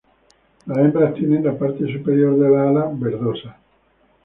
Las hembras tienen la parte superior de las alas verdosa.